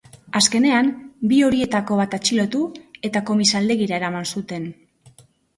Azkenean, bi horietako bat atxilotu eta komisaldegira eraman zuten.